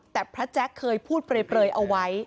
แต่พระแจ๊คเคยพูดเปลยเอาไว้